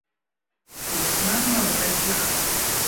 И я знаю много таких.